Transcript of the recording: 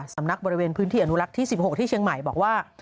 สำนักบริเวณพื้นที่อนุรักษ์ที่๑๖ที่เชียงใหม่บอกว่า